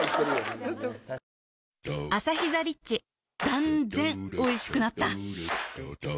断然おいしくなった